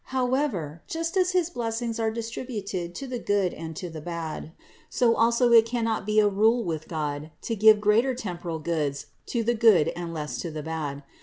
However, just as his bless ings are distributed to the good and to the bad, so also it cannot be a rule with God to give greater temporal goods to the good and less to the bad.